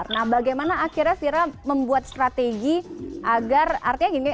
nah bagaimana akhirnya fira membuat strategi agar artinya gini